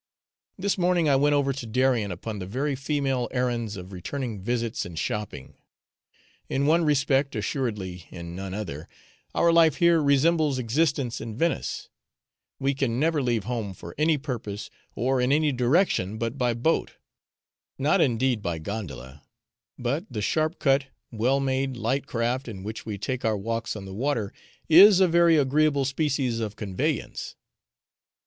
This morning I went over to Darien upon the very female errands of returning visits and shopping. In one respect (assuredly in none other) our life here resembles existence in Venice; we can never leave home for any purpose or in any direction but by boat not, indeed, by gondola, but the sharp cut, well made, light craft in which we take our walks on the water is a very agreeable species of conveyance.